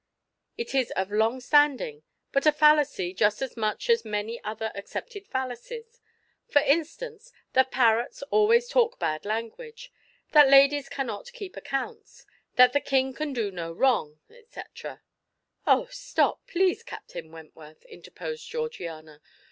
It is of long standing, but a fallacy just as much as many other accepted fallacies for instance, that parrots always talk bad language, that ladies cannot keep accounts, that the King can do no wrong, etc." "Oh, stop, please, Captain Wentworth," interposed Georgiana.